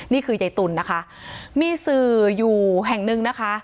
นี่คือยายตุ๋นนะคะมีสื่ออยู่แห่งหนึ่งนะคะ